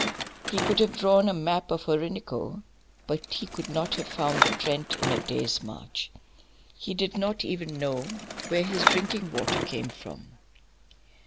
He could have drawn a map of the Orinoco, but he could not have found the Trent in a day's march; he did not even know where his drinking water came from.